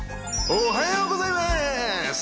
おはようございます。